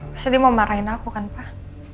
pasti dia mau marahin aku kan pak